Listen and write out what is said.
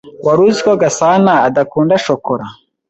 Wari uzi ko Gasana adakunda shokora?